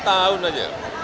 dua tahun aja